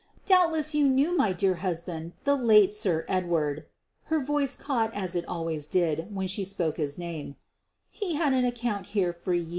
Doubtless you knew my dear husband, the late Sir Edward' '— her voice caught as it always did when she spoke his name —■ "he had an account here for years.'